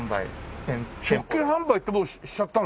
食券販売ってもうしちゃったの？